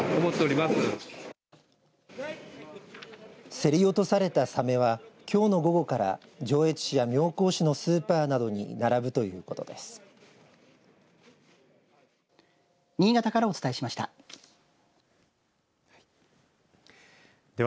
競り落とされたさめはきょうの午後から上越市や妙高市のスーパーなどに並ぶということです。